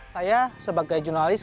saya sebagai jurnalis